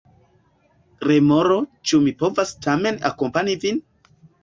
Remoro: "Ĉu mi povas tamen akompani vin?"